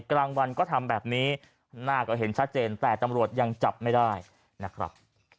กลางวันก็ทำแบบนี้หน้าก็เห็นชัดเจนแต่ตำรวจยังจับไม่ได้นะครับ